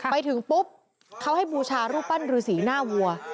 ไปถึงปุ๊บเขาให้บูชารูปปั้นรือสีหน้าวัว